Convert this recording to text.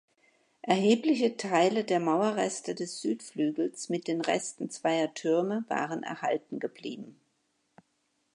Erhebliche Teile der Mauerreste des Südflügels mit den Resten zweier Türme waren erhalten geblieben.